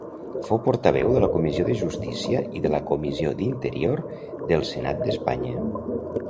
Fou portaveu de la Comissió de Justícia i de la Comissió d'Interior del Senat d'Espanya.